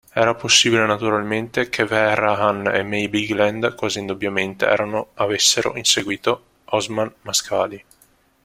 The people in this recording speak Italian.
Era possibile, naturalmente, che Vehrehan e May Bigland, quali indubbiamente erano, avessero inseguito Osman Mascali.